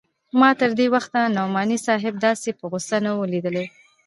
ما تر دې وخته نعماني صاحب داسې په غوسه نه و ليدلى.